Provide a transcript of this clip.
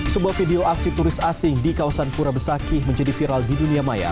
sebuah video aksi turis asing di kawasan pura besakih menjadi viral di dunia maya